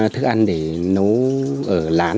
thức ăn để nấu ở lán